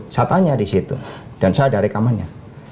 saya tanya di situ dan saya ada rekamannya